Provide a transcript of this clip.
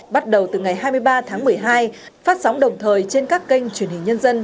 bắt đầu từ ngày hai mươi ba tháng một mươi hai phát sóng đồng thời trên các kênh truyền hình nhân dân